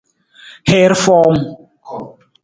Hiir fowung.